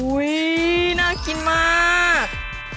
อุ้ยน่ากินมาก